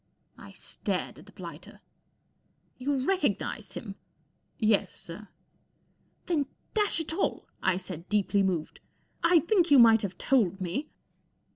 1 stared at the blighter. " You recognized him ?"" Yes, sir." " Then, dash it all," I said, deeply moved, •• I think you might have told me."